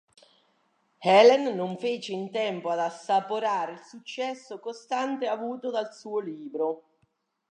Helen non fece in tempo ad assaporare il successo costante avuto dal suo libro.